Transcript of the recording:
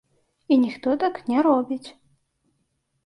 І ніхто так не робіць.